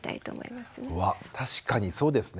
うわ確かにそうですね。